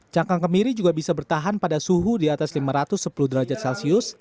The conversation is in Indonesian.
cangkang kemiri juga bisa bertahan pada suhu di atas lima ratus sepuluh derajat celcius